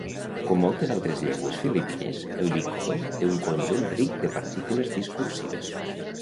Com moltes altres llengües filipines, el bicol té un conjunt ric de partícules discursives.